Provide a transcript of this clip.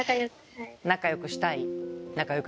仲よくしたい。